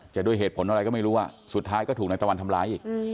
ด้วยเหตุผลอะไรก็ไม่รู้สุดท้ายก็ถูกนายตะวันทำร้ายอีก